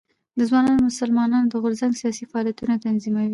د ځوانو مسلمانانو د غورځنګ سیاسي فعالیتونه تنظیمول.